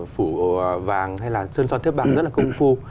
phủ vàng hay là sơn son thép bạc rất là công phu